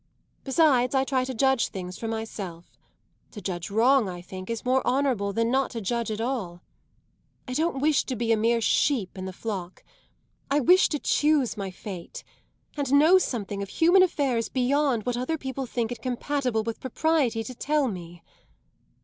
Besides, I try to judge things for myself; to judge wrong, I think, is more honourable than not to judge at all. I don't wish to be a mere sheep in the flock; I wish to choose my fate and know something of human affairs beyond what other people think it compatible with propriety to tell me."